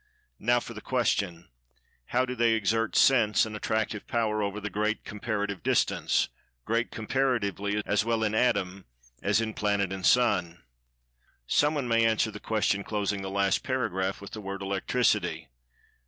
Now for the question: "How do they exert sense and attractive power over the great comparative distance—great, comparatively, as well in atom, as in planet and sun?" Some one may answer the question closing[Pg 165] the last paragraph with the word "Electricity."